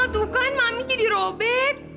tuh kan mami jadi robet